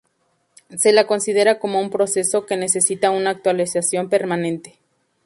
Se la considera como un proceso que necesita una actualización permanente.